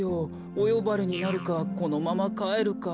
およばれになるかこのままかえるか。